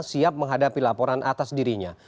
siap menghadapi laporan atas dirinya